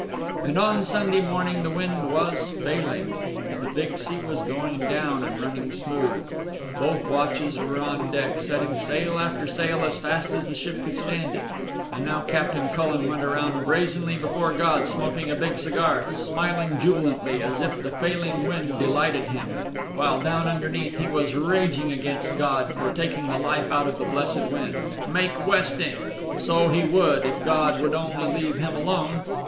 And on Sunday morning the wind was failing. The big sea was going down and running smooth. Both watches were on deck setting sail after sail as fast as the ship could stand it. And now Captain Cullen went around brazenly before God, smoking a big cigar, smiling jubilantly, as if the failing wind delighted him, while down underneath he was raging against God for taking the life out of the blessed wind. Make westing! So he would, if God would only leave him alone.